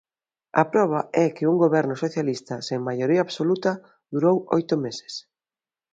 A proba é que un goberno socialista sen maioría absoluta durou oito meses.